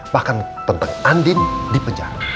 bahkan tentang andin di penjara